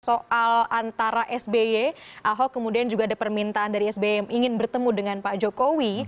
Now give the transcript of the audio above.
soal antara sby ahok kemudian juga ada permintaan dari sby yang ingin bertemu dengan pak jokowi